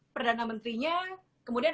perdana menterinya kemudian